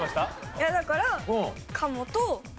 いやだから。